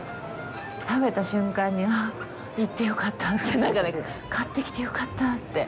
食べた瞬間にああ、行ってよかったって買ってきてよかったって。